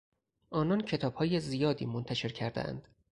آنان کتابهای زیادی منتشر کردهاند.